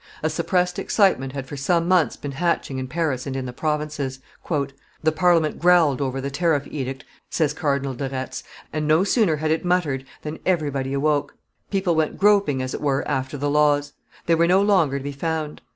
A suppressed excitement had for some months been hatching in Paris and in the provinces. "The Parliament growled over the tariff edict," says Cardinal de Retz; "and no sooner had it muttered than everybody awoke. People went groping as it were after the laws; they were no longer to be found.